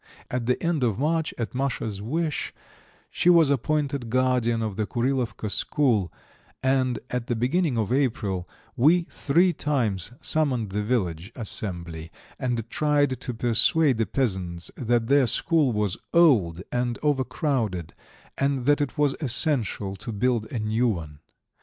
At the end of March at Masha's wish, she was appointed guardian of the Kurilovka school, and at the beginning of April we three times summoned the village assembly, and tried to persuade the peasants that their school was old and overcrowded, and that it was essential to build a new one.